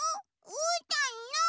う？うーたんの！